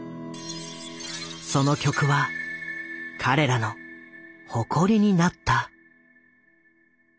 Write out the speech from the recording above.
その曲は彼らの誇りになった。